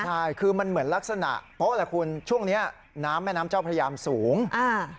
ใช่คือมันเหมือนลักษณะโป๊ะแหละคุณช่วงเนี้ยน้ำแม่น้ำเจ้าพระยามสูงอ่า